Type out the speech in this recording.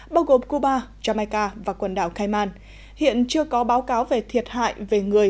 bao gồm cuba jamaica và quần đảo kaman hiện chưa có báo cáo về thiệt hại về người